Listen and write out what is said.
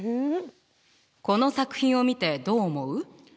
この作品を見てどう思う？